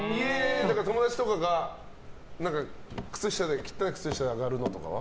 友達とかが汚い靴下で上がるのとかは？